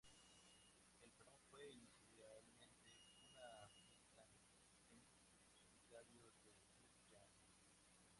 El Perdón fue inicialmente una pista en solitario de Nicky Jam.